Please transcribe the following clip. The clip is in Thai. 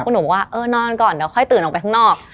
หนุ่มบอกว่าเออนอนก่อนเดี๋ยวค่อยตื่นออกไปข้างนอก